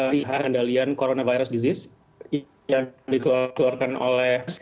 pengendalian coronavirus disease yang dikeluarkan oleh